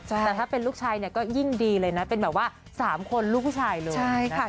แต่ถ้าเป็นลูกชายเนี่ยก็ยิ่งดีเลยนะเป็นแบบว่า๓คนลูกผู้ชายเลยใช่ค่ะ